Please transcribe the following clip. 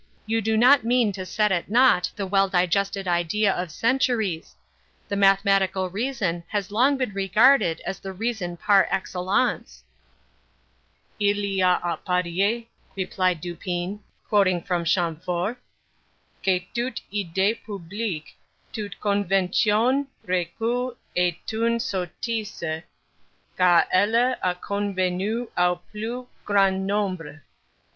You do not mean to set at naught the well digested idea of centuries. The mathematical reason has long been regarded as the reason par excellence." "'Il y a à parièr,'" replied Dupin, quoting from Chamfort, "'que toute idée publique, toute convention reçue est une sottise, car elle a convenue au plus grand nombre.